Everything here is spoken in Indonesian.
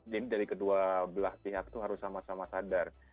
jadi dari kedua belah pihak itu harus sama sama sadar